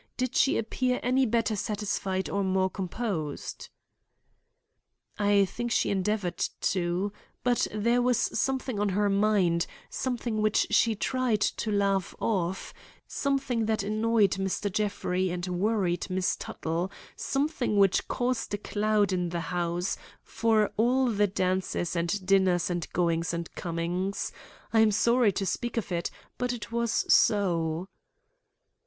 Did she appear any better satisfied or more composed?" "I think she endeavored to. But there was something on her mind, something which she tried to laugh off; something that annoyed Mr. Jeffrey and worried Miss Tuttle; something which caused a cloud in the house, for all the dances and dinners and goings and comings. I am sorry to speak of it, but it was so."